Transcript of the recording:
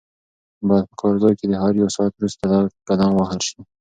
باید په کار ځای کې د هر یو ساعت وروسته لږ قدم ووهل شي.